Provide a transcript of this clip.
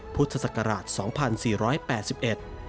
พุทธศักราช๒๔๘๑